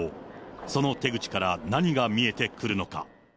その手口から何が見えてくるのか。